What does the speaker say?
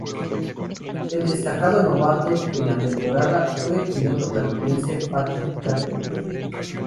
El destacado novato de la temporada, fue el piloto canadiense Patrick Carpentier.